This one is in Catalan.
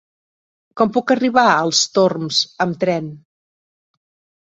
Com puc arribar als Torms amb tren?